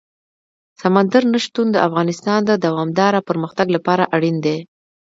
سمندر نه شتون د افغانستان د دوامداره پرمختګ لپاره اړین دي.